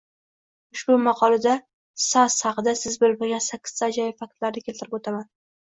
Ushbu maqolada saas haqida siz bilmagan sakkizda ajoyib faktlarni keltirib o’taman